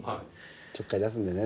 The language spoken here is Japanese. ちょっかい出すんだよね